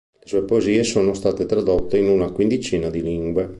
Le sue poesie sono state tradotte in una quindicina di lingue.